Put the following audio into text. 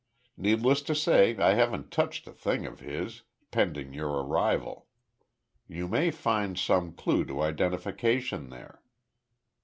Needless to say I haven't touched a thing of his, pending your arrival. You may find some clue to identification there."